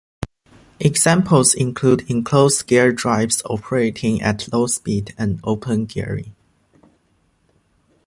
Examples include enclosed gear drives operating at low speeds and open gearing.